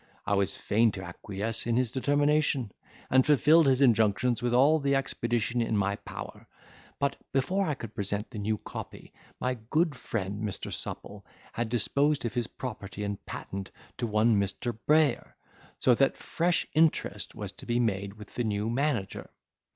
I was fain to acquiesce in his determination, and fulfilled his injunctions with all the expedition in my power; but, before I could present the new copy, my good friend Mr. Supple had disposed of his property and patent to one Mr. Brayer; so that fresh interest was to be made with the new manager.